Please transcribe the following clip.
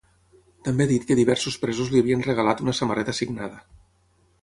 També ha dit que diversos presos li havien regalat una samarreta signada.